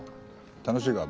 楽しいか？